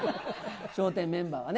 笑点メンバーはね。